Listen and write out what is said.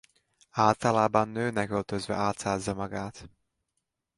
Általában nőnek öltözve álcázza magát.